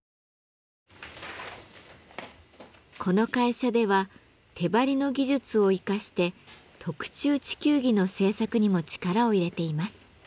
この会社では手貼りの技術を生かして特注地球儀の制作にも力を入れています。